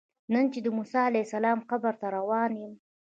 نن چې د موسی علیه السلام قبر ته روان یم.